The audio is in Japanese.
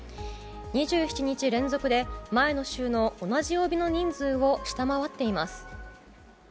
２７日連続で、前の週の同じ曜日の人数を下回っています。